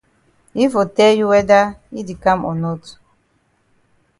Yi for tell you whether yi di kam o not.